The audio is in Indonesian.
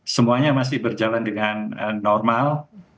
semuanya masih berjalan dengan normal